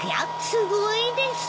すごいです。